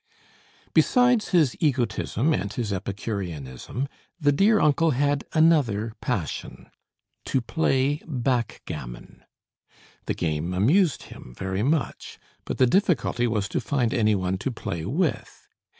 Besides his egotism and his epicureanism, the dear uncle had another passion to play backgammon. The game amused him very much; but the difficulty was to find any one to play with.